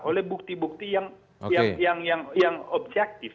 oleh bukti bukti yang objektif